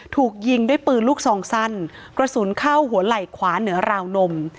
ถูกยิงด้วยปืนลูกซองสั้นกระสุนเข้าหัวไหล่ขวาเหนือราวนม